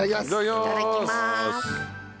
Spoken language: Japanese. いただきます。